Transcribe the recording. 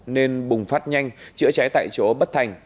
nên bùng phát nhanh chữa cháy tại chỗ bất thành